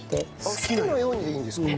好きなようにでいいんですか？